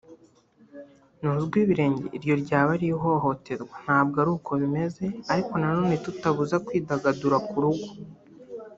nozwe ibirenge iryo ryaba ari ihohoterwa ntabwo ariko bimeze ariko na none tutabuza kwidagadura ku rugo